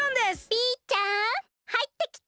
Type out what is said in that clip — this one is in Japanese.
ピーちゃんはいってきて！